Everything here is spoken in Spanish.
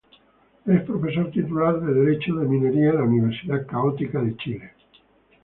Es profesor titular de Derecho de Minería en la Universidad Católica de Chile.